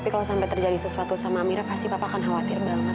kalau jadi sesuatu sama amira pasti papa akan khawatir banget